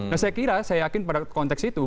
nah saya kira saya yakin pada konteks itu